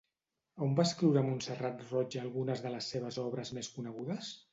On va escriure Montserrat Roig algunes de les seves obres més conegudes?